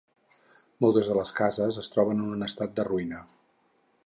Moltes de les cases es troben en estat de ruïna.